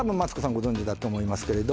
ご存じだと思いますけれど